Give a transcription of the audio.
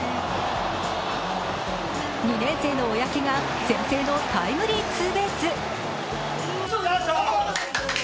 ２年生の小宅が先制のタイムリーツーベース。